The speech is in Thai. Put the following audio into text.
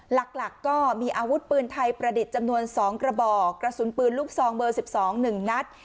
หลักหลักก็มีอาวุธปืนไทยประดิษฐ์จำนวนสองกระบอกกระสุนปืนลูกซองเบอร์สิบสองหนึ่งนัด